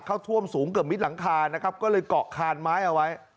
เข้าท่วมสูงเกือบมิดหลังคานะครับก็เลยเกาะคานไม้เอาไว้